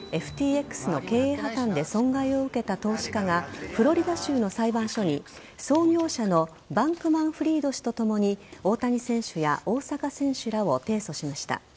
ＦＴＸの経営破綻で損害を受けた投資家がフロリダ州の裁判所に創業者のバンクマンフリード氏とともに大谷選手や大坂選手らを提訴しました。